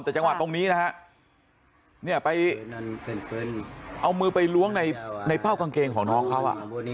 แต่จังหวัดตรงนี้นะฮะเนี่ยไปเอามือไปล้วงในเป้ากางเกงของน้องเขา